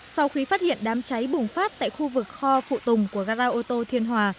sau khi phát hiện đám cháy bùng phát tại khu vực kho phụ tùng của gara ô tô thiên hòa